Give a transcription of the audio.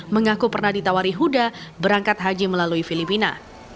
mengaku pernah ditawari huda berangkat haji melalui filipina